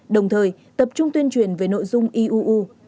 đồng thời tập trung tuyên truyền về nội dung iuu